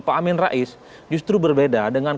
pak amin rais justru berbeda dengan